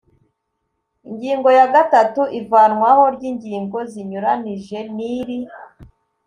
ingingo ya gatatu ivanwaho ry ingingo zinyuranije n iri